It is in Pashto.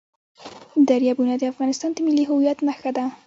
دریابونه د افغانستان د ملي هویت نښه ده.